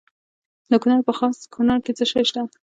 د کونړ په خاص کونړ کې څه شی شته؟